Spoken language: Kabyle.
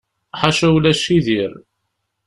Ḥaca ulac i dir.